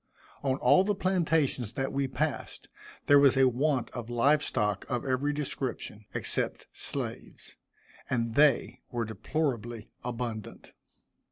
On all the plantations that we passed, there was a want of live stock of every description, except slaves, and they were deplorably abundant.